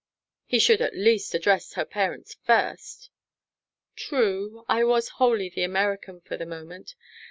"He should at least address her parents first." "True. I was wholly the American for the moment.